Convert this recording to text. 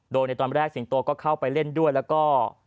โดยในตอนแรกสิงโตก็เข้าไปเล่นด้วยแล้วก็